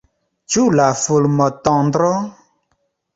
Ĉu la fulmotondro?